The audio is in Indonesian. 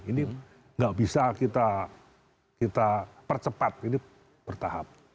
ini nggak bisa kita percepat ini bertahap